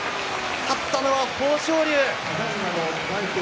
勝ったのは豊昇龍です。